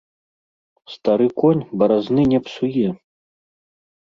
Стары конь баразны не псуе.